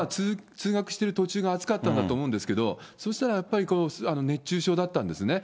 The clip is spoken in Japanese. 通学してる途中が暑かったんだと思うんですけど、そうしたらやっぱり、熱中症だったんですね。